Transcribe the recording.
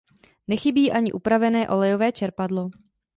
Nechybí ani upravené olejové čerpadlo.